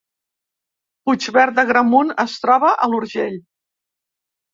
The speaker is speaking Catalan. Puigverd d’Agramunt es troba a l’Urgell